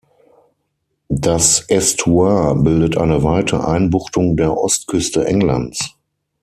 Das Ästuar bildet eine weite Einbuchtung der Ostküste Englands.